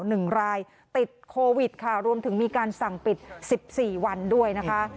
หนึ่งรายติดโควิดค่ะรวมถึงมีการสั่งปิดสิบสี่วันด้วยนะคะ